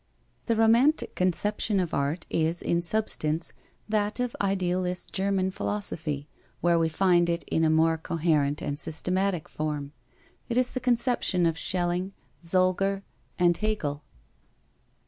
The Romantic conception of art is, in substance, that of idealist German philosophy, where we find it in a more coherent and systematic form. It is the conception of Schelling, Solger, and Hegel.